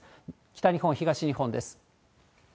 北日本、東日本です。